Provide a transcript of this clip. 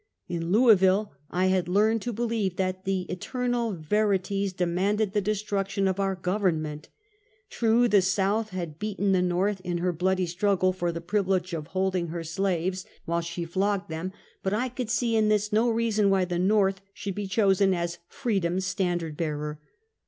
In Louisville, I had learned to believe that the Eter nal veri ties demanded the destruction of our Govern ment. True, the South had beaten the iN^orth in her bloody struggle for the privilege of holding her slaves while she flogged them; but I could see, in this, no reason why that iN'orth should be chosen as Freedom's standard bearer!